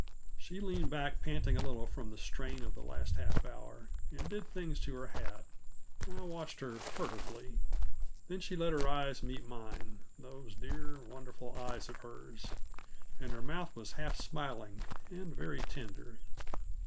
She leaned back panting a little from the strain of the last half hour, and did things to her hat. I watched her furtively. Then she let her eyes meet mine; those dear, wonderful eyes of hers! And her mouth was half smiling, and very tender.